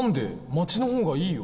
町の方がいいよ。